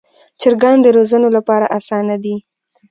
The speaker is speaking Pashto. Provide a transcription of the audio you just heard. چرګان د روزنې لپاره اسانه دي.